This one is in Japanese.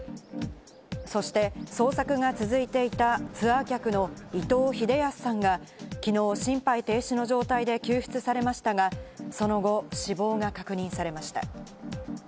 そして捜索が続いていたツアー客の伊東秀恭さんがきのう心肺停止の状態で救出されましたが、その後、死亡が確認されました。